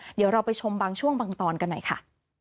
เดี๋ยวเราไปชมบางช่วงบางตอนกันหน่อยค่ะ